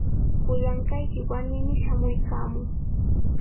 Kuyanqayki warmimi shamuykaamun.